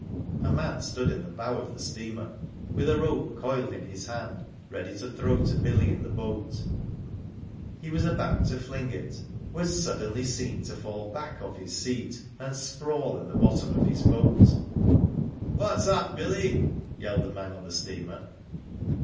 A man stood in the bow of the steamer, with a rope coiled in his hand ready to throw to Billy in the boat. He was about to fling it, when " Silent Billy was suddenly seen to fall back off his seat an^ sprawl in the bottom of his boat. '*What*3 up, Billy? yelled the man on the steamer.